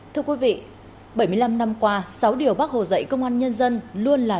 thưa quý vị bảy mươi năm năm qua sáu điều bác hồ dạy công an nhân dân luôn là